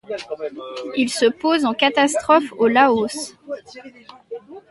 Il se pose en catastrophe au Laos.